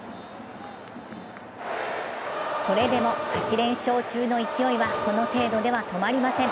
それでも８連勝中の勢いはこの程度では止まりません。